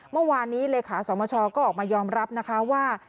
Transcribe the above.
เมื่อวานนี้เลขาสมชก็ออกมายอมรับนะคะว่า